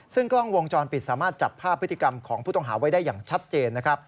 ซึ่งกล้องวงจรปิดสามารถจับภาพพฤติกรรมของผู้ต้องหาไว้ได้อย่างชัดเจนนะครับ